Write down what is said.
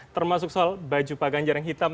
termasuk soal baju pak ganjar yang hitam